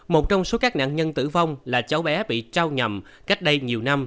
một trong số các nạn nhân tử vong là cháu bé bị trao nhầm cách đây nhiều năm